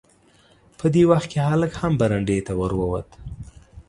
په دې وخت کې هلک هم برنډې ته ور ووت.